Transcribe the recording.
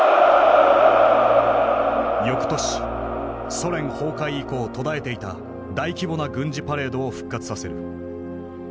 よくとしソ連崩壊以降途絶えていた大規模な軍事パレードを復活させる。